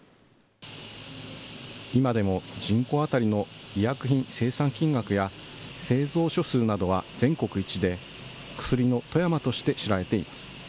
今でも人口当たりの医薬品生産金額や、製造所数などは全国一で、くすりの富山として知られています。